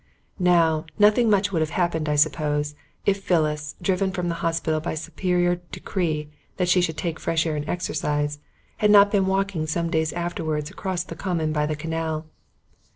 Now, nothing much would have happened, I suppose, if Phyllis, driven from the hospital by superior decree that she should take fresh air and exercise, had not been walking some days afterwards across the common by the canal.